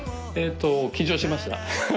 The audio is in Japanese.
緊張しました。